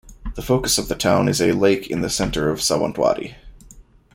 The focus of the town is a lake in the centre of Sawantwadi.